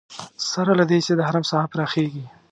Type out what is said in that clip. سره له دې چې د حرم ساحه پراخېږي.